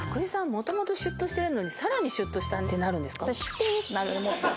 もともとシュッとしてるのにさらにシュッとしたってなるんですか？